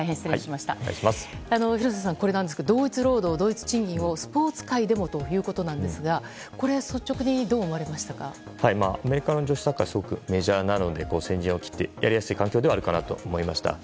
廣瀬さん、同一労働同一賃金をスポーツ界でもということなんですがアメリカの女子サッカーはすごくメジャーなので先陣を切ってやりやすい環境ではあるかなと思いました。